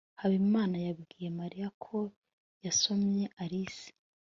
habimana yabwiye mariya ko yasomye alice